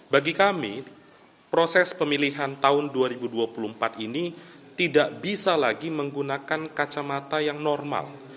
bagi kami proses pemilihan tahun dua ribu dua puluh empat ini tidak bisa lagi menggunakan kacamata yang normal